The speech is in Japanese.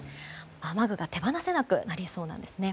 雨具が手放せなくなりそうです。